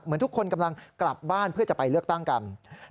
ทุกคนกำลังกลับบ้านเพื่อจะไปเลือกตั้งกัน